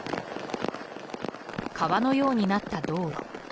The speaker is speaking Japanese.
川のようになった道路。